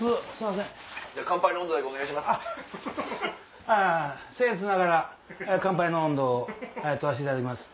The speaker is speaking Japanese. せんえつながら乾杯の音頭を取らせていただきます。